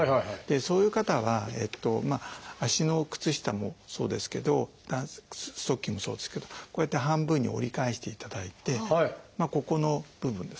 そういう方は足の靴下もそうですけどストッキングもそうですけどこうやって半分に折り返していただいてここの部分ですね